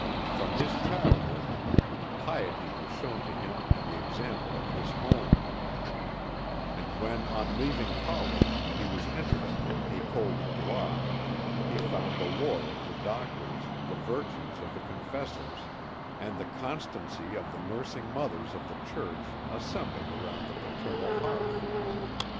From his childhood piety was shown to him in the example of his home, and when on leaving college he was entered at the École de Droit, he found the lore of the doctors, the virtues of the confessors, and the constancy of the nursing mothers of the Church assembled around the paternal hearth.